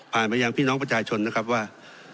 มายังพี่น้องประชาชนนะครับว่า